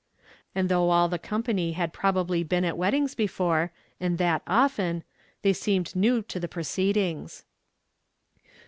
And though all the company had probably been at weddings before, and that often, they seemed new to the proceedings.